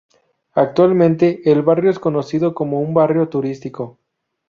Actualmente, el barrio es conocido como un barrio turístico.